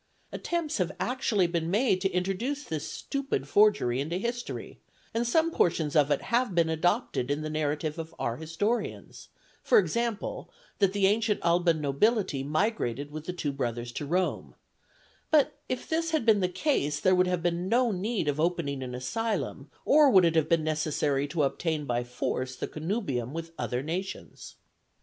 Attempts have actually been made to introduce this stupid forgery into history, and some portions of it have been adopted in the narrative of our historians; for example, that the ancient Alban nobility migrated with the two brothers to Rome; but if this had been the case there would have been no need of opening an asylum, nor would it have been necessary to obtain by force the connubium with other nations.